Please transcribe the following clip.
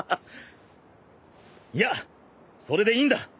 いやそれでいいんだ。